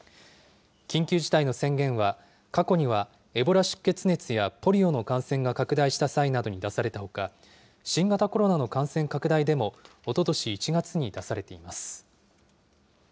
緊急事態の宣言は、過去にはエボラ出血熱やポリオの感染が拡大した際などに出されたほか、新型コロナの感染拡大でも、おととし１月に出されています。